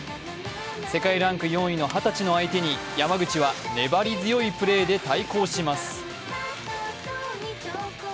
世界ランク４位の２０歳の相手に山口は粘り強いプレーで対抗します。